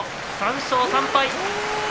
３勝３敗。